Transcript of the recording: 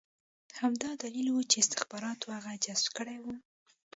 همدا دلیل و چې استخباراتو هغه جذب کړی و